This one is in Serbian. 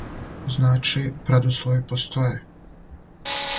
Значи, предуслови постоје.